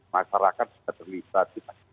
masyarakat tidak terlihat